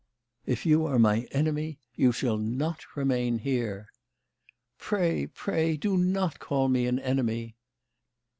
If you are my enemy you shall not remain here." " Pray pray do not call me an enemy."